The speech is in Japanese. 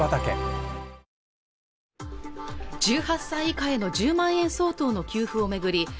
１８歳以下の１０万円相当の給付を巡り